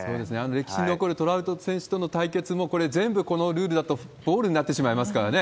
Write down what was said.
歴史に残るトラウト選手との対決も、全部、このルールだとボールになってしまいますからね。